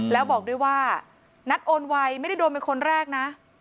แล้วบอกด้วยว่านัดโอนไวไม่ได้โดนเป็นคนแรกนะ